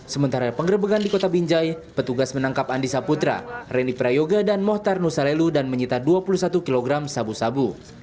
sementara penggerbegan di kota binjai petugas menangkap andi saputra reni prayoga dan mohtar nusalelu dan menyita dua puluh satu kg sabu sabu